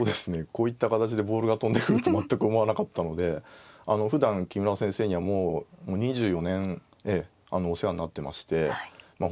こういった形でボールが飛んでくると全く思わなかったのでふだん木村先生にはもう２４年お世話になってましてまあ